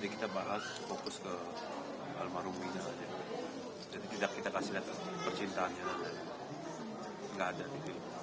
di filmnya kita gak bahas mengenai almarhum eki